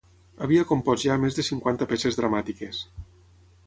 Havia compost ja més de cinquanta peces dramàtiques.